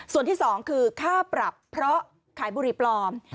ส่วนที่สองคือค่าปรับเพราะขายบุหรี่ปลอม